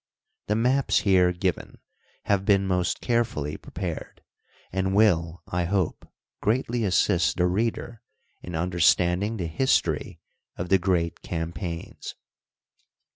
The maps here given have been most carefully prepared, and will, I hope, greatly assist the reader in understanding the history of the great campaigns.